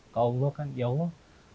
kalau allah kan ya allah